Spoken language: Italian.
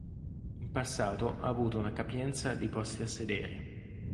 In passato ha avuto una capienza di posti a sedere.